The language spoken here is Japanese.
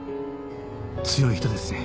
強い人ですね。